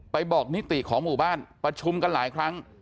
บอกนิติของหมู่บ้านประชุมกันหลายครั้ง